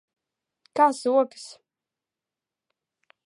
Kā sokas?